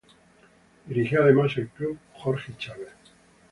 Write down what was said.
Dirigió además al club Jorge Chávez.